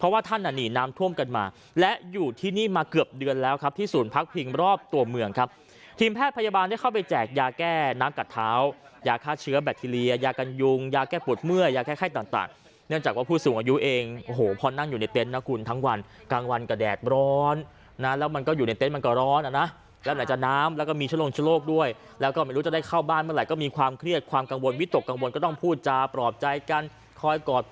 เวลาแค่ปุดเมื่อยาแค่ไข้ต่างเนื่องจากว่าผู้สูงอายุเองโอ้โหพอนั่งอยู่ในเต็นต์นะคุณทั้งวันกลางวันก็แดดร้อนนะแล้วมันก็อยู่ในเต็นต์มันก็ร้อนนะแล้วไหนจะน้ำแล้วก็มีชะลงชะโลกด้วยแล้วก็ไม่รู้จะได้เข้าบ้านเมื่อไหร่ก็มีความเครียดความกังวลวิตกกังวลก็ต้องพูดจาปรอบใจกันคอยกอด